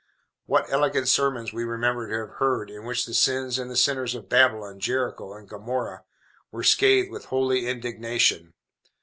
What eloquent sermons we remember to have heard in which the sins and the sinners of Babylon, Jericho and Gomorrah were scathed with holy indignation.